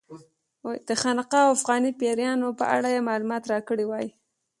د خانقا او افغاني پیرانو په اړه یې معلومات راکړي وای.